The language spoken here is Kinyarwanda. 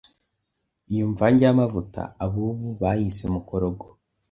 iyo mvange y’amavuta ab’ubu bayise Mukorogo